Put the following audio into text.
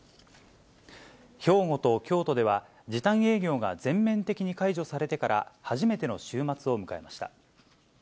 兵庫と京都では、時短営業が全面的に解除されてから初めての週末を迎えました。